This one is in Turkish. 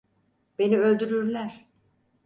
Beni öldürürler.